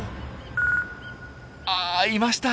あいました！